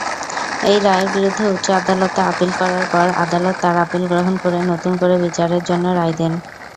এই রায়ের বিরুদ্ধে উচ্চ আদালতে আপিল করার পর আদালত তার আপিল গ্রহণ করে নতুন করে বিচারের জন্য রায় দেন।